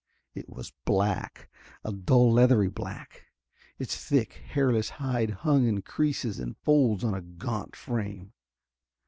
It was black, a dull leathery black. Its thick, hairless hide hung in creases and folds on a gaunt frame.